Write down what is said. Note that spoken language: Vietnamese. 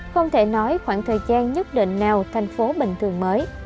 không thể nói khoảng thời gian nhất định nào thành phố bình thường mới